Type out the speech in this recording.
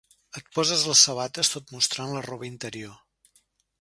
Et poses les sabates tot mostrant la roba interior.